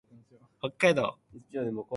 北海道弟子屈町